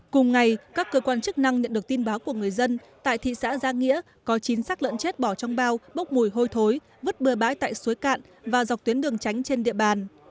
cùng ngày các cơ quan chức năng nhận được tin báo của người dân tại thị xã giang nghĩa có chín sắc lợn chết bỏ trong bao bốc mùi hôi thối vứt bừa bãi tại suối cạn và dọc tuyến đường tránh trên địa bàn